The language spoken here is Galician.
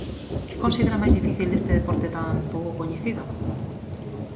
Que considera máis difícil deste deporte tan pouco coñecido?